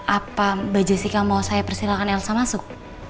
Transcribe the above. apa mbak jessica mau saya persilahkan elsa masuk